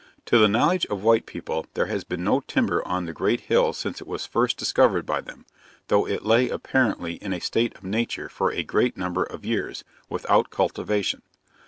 To the knowledge of white people there has been no timber on the great hill since it was first discovered by them, though it lay apparently in a state of nature for a great number of years, without cultivation.